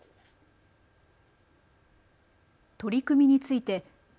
取り組みについて都